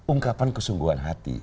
ungkapan kesungguhan hati